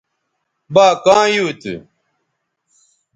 با کاں یُو تھو